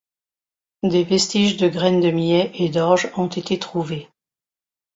Des vestiges de graines de millet et d'orge ont été trouvés.